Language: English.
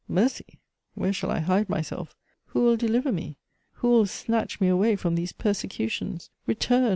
Mercy ! where shall I hide myself ? who will deliver me ? who will snatch me away from these persecutions ? Return